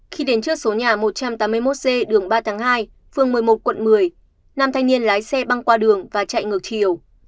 khi đến trước số nhà một trăm tám mươi một c đường ba tháng hai phường một mươi một quận một mươi nam thanh niên lái xe băng qua đường và chạy ngược chiều